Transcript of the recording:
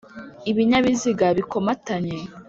ibinyabiziga bikomatanye